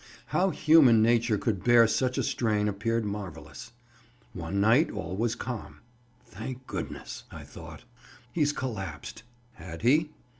How human nature could bear such a strain appeared marvellous. One night all was calm. "Thank goodness!" I thought, "he's collapsed." Had he?